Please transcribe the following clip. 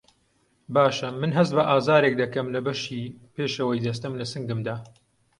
باشه من هەست بە ئازارێک دەکەم لە بەشی پێشەوەی جەستەم له سنگمدا